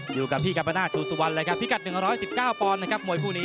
อยู่กับพี่กัมปนาศชูสุวรรณเลยครับพิกัด๑๑๙ปอนด์นะครับมวยคู่นี้